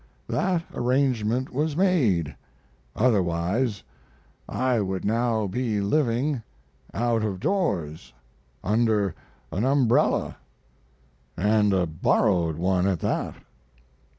That arrangement was made, otherwise I would now be living out of doors under an umbrella, and a borrowed one at that.